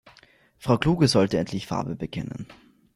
Frau Kluge sollte endlich Farbe bekennen.